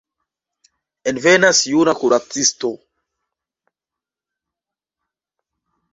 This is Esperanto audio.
Envenas juna kuracisto.